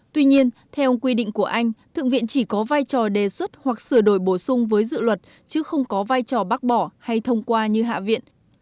tuy nhiên theo quy định của anh thượng viện chỉ có vai trò đề xuất hoặc sửa đổi bổ sung với dự luật chứ không có vai trò bác bỏ hay thông qua như hạ viện